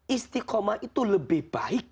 istiqomah itu lebih baik